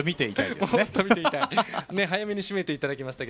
早めに締めていただきました。